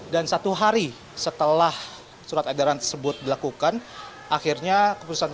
dan satu hari setelah surat edaran